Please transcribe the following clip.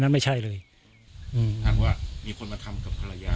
นั้นไม่ใช่เลยอืมมีคนมาทำกับภรรยาเราแบบเนี้ยมีความ